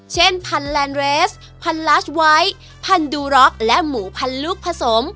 เช่นพันธุ์แรนเรสพันธุ์ลาชไวท์พันธุ์ดูร็อคและหมูพันธุ์ลุกผสม